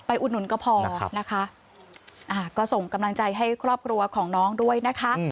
อุดหนุนก็พอนะคะก็ส่งกำลังใจให้ครอบครัวของน้องด้วยนะคะ